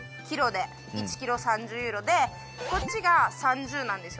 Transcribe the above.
１ｋｇ３０ユーロでこっちが３０なんですよ。